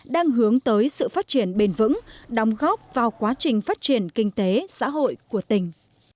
đang hướng tới sự phát triển bền vững đóng góp vào quá trình phát triển kinh tế xã hội của tỉnh